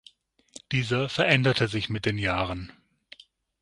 Dieser veränderte sich mit den Jahren.